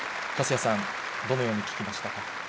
粕谷さん、どのように聞きました